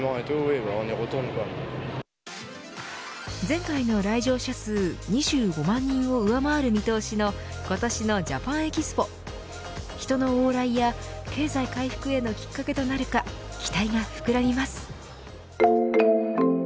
前回の来場者数２５万人を上回る見通しの今年のＪａｐａｎＥｘｐｏ人の往来や経済回復へのきっかけとなるか期待が膨らみます。